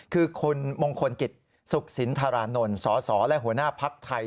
คือคุณมงคลกิจสุขศิลป์ธาราณนทรศและหัวหน้าพักธรรมไทย